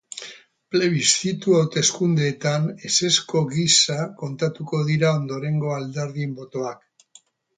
Plebiszitu hauteskundeetan ezezko gisa kontatuko dira ondorengo alderdien botoak.